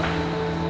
ada apa lagi